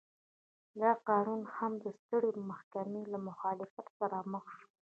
دا قانون هم د سترې محکمې له مخالفت سره مخ شو.